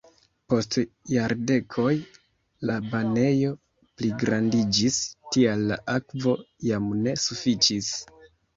Post jardekoj la banejo pligrandiĝis, tial la akvo jam ne sufiĉis.